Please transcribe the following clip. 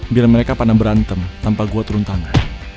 biar mereka pada berantem tanpa gue turun tangan